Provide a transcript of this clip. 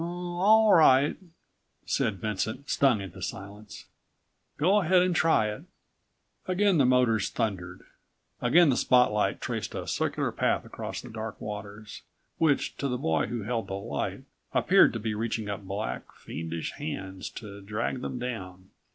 "Oh, all right," said Vincent, stung into silence, "go ahead and try it." Again the motors thundered. Again the spot light traced a circular path across the dark waters, which to the boy who held the light, appeared to be reaching up black, fiendish hands to drag them down.